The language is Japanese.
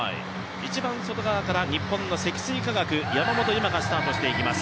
一番外側から日本の積水化学山本有真がスタートしていきます。